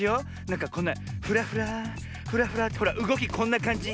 なんかこんなフラフラフラフラってほらうごきこんなかんじ。